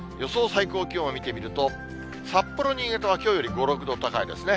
最高気温を見てみると、札幌、新潟はきょうより５、６度高いですね。